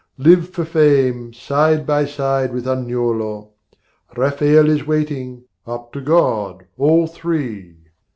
'Live for fame, side by side with Agnolo! 'Rafael is waiting: up to God, all three!